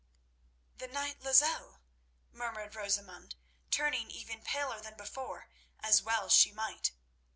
"The knight Lozelle!" murmured Rosamund, turning even paler than before, as well she might.